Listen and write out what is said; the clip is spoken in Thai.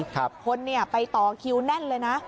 คนไปต่อคิวแน่นเลยนะ